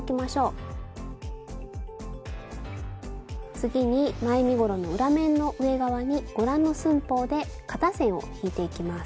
次に前身ごろの裏面の上側にご覧の寸法で肩線を引いていきます。